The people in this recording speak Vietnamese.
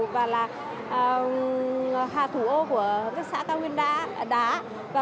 và hà thủ ô của hợp tác xã cao nguyên đá